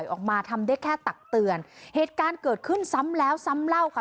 ออกมาทำได้แค่ตักเตือนเหตุการณ์เกิดขึ้นซ้ำแล้วซ้ำเล่าค่ะ